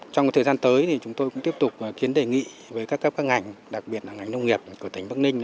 trong thời gian tới chúng tôi cũng tiếp tục kiến đề nghị với các ngành đặc biệt là ngành nông nghiệp của tỉnh bắc ninh